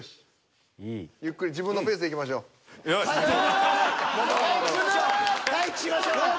ゆっくり自分のペースでいきましょう。